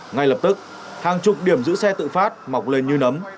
ngay lập tức hàng chục điểm giữ xe tự phát mọc lên như nấm